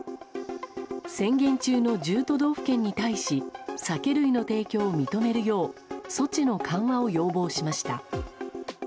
宣言中の１０都道府県に対し酒類の提供を認めるよう措置の緩和を要望しました。